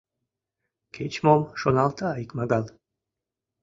Кеч-мом шоналта икмагал.